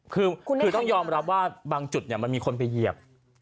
คือต้องยอมรับว่าบางจุดมันมีคนไปเหยียบ